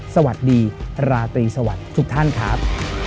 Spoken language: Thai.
สวัสดีราตรีสวัสดีทุกท่านครับ